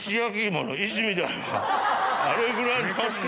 あれぐらい。